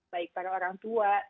baik para orang tua